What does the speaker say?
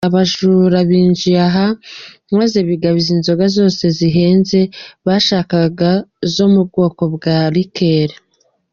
Abajura binjiye aha maze bigabiza inzoga zose zihenze bashakaga zo mu bwoko bwa “liqueur”.